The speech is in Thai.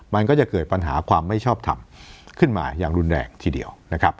มันก็จะเกิดปัญหาความไม่ชอบทำขึ้นมาอย่างรุนแรงทีเดียวนะครับ